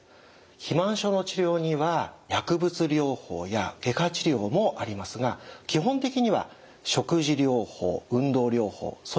肥満症の治療には薬物療法や外科治療もありますが基本的には食事療法運動療法そして行動療法が中心になるんです。